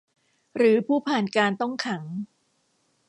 หรือผู้ผ่านการต้องขัง